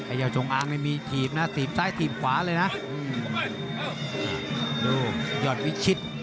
ไอ้ทรงอ้างตีบซ้ายกำลังที่ขวาเลยนะดูยอดวิชิต